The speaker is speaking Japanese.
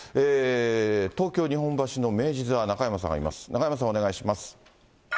東京・日本橋の明治座、中山さんがいます。